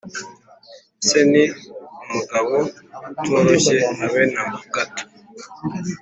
Se ni umugabo utoroshye habe na gato